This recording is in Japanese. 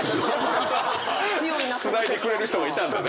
つないでくれる人がいたんだね。